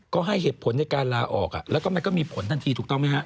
ก็ให้เหตุผลในการลาออกแล้วก็มันก็มีผลทันทีถูกต้องไหมฮะ